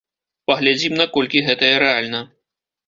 Паглядзім, наколькі гэтае рэальна.